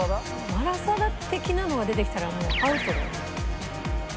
マラサダ的なのが出てきたらもうアウトだよ。